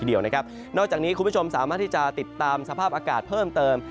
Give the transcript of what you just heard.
นอกจากนี้คุณผู้ชมสามารถที่จะติดตามสภาพอากาศเพิ่มเติม